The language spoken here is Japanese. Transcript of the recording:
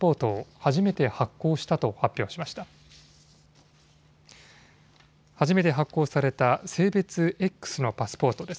初めて発行された性別Ｘのパスポートです。